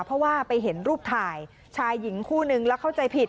เพราะว่าไปเห็นรูปถ่ายชายหญิงคู่นึงแล้วเข้าใจผิด